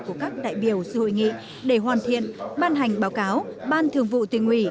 của các đại biểu dự hội nghị để hoàn thiện ban hành báo cáo ban thường vụ tuyên quỷ